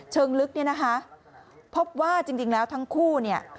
เชิงลึกนี้พบว่าจริงแล้วทั้งคู่